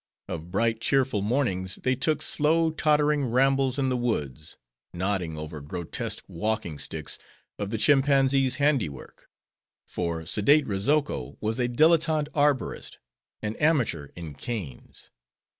Of bright, cheerful mornings, they took slow, tottering rambles in the woods; nodding over grotesque walking sticks, of the Chimpanzee's handiwork. For sedate Rozoko was a dilletante arborist: an amateur in canes.